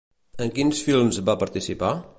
En quins films va participar?